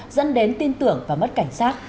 dẫn đến tin tưởng và mất cảnh sát